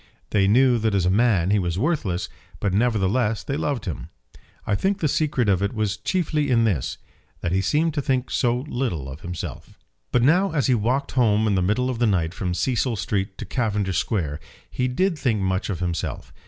They knew that as a man he was worthless, but nevertheless they loved him. I think the secret of it was chiefly in this, that he seemed to think so little of himself. But now as he walked home in the middle of the night from Cecil Street to Cavendish Square he did think much of himself.